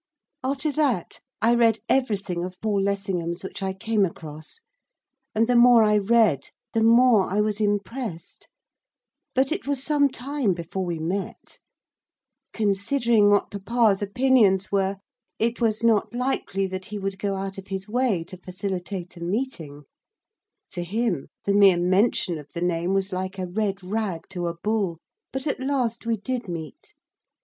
After that I read everything of Paul Lessingham's which I came across. And the more I read the more I was impressed. But it was some time before we met. Considering what papa's opinions were, it was not likely that he would go out of his way to facilitate a meeting. To him, the mere mention of the name was like a red rag to a bull. But at last we did meet.